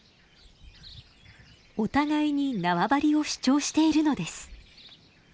お互いに縄張りを主張しているのです。